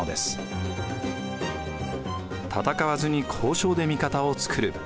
戦わずに交渉で味方を作る。